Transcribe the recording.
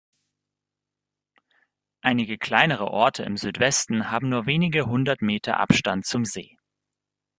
Einige kleinere Orte im Südwesten haben nur wenige hundert Meter Abstand zum See.